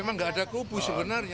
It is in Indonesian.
memang nggak ada kubu sebenarnya